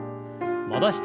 戻して。